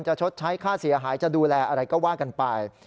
ชดใช้ค่าเสียหายจะดูแลอะไรก็ว่ากันไป